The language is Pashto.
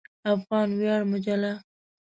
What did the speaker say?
افغان ویاړ مجله